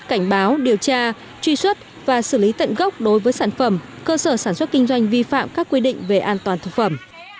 cảnh báo điều tra truy xuất và xử lý tận gốc đối với sản phẩm cơ sở sản xuất kinh doanh vi phạm các quy định về an toàn thực phẩm